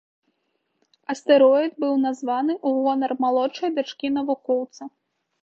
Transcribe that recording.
Астэроід быў названы ў гонар малодшай дачкі навукоўца.